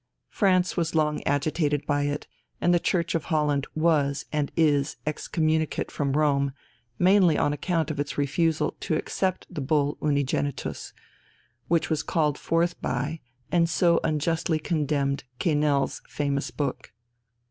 France was long agitated by it, and the Church of Holland was and is excommunicate from Rome mainly on account of its refusal to accept the Bull Unigenitus, which was called forth by and so unjustly condemned Quesnel's famous book.